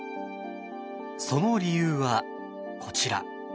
その理由はこちら。